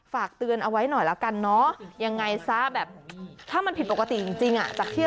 ฝากเตือนเอาไว้หน่อยแล้วกันเนาะยังไงซะแบบถ้ามันผิดปกติจริงอ่ะจากที่